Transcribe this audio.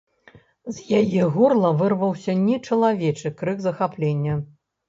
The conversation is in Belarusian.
З яе горла вырваўся нечалавечы крык захаплення.